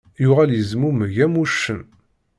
Yuɣal yezmumeg am wuccen.